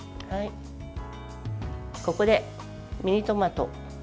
ここで、ミニトマト。